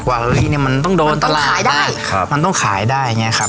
กว่าที่นี่มันต้องโดนตลาดได้มันต้องขายได้